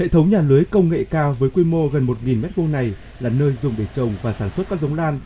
hệ thống nhà lưới công nghệ cao với quy mô gần một m hai này là nơi dùng để trồng và sản xuất các giống lan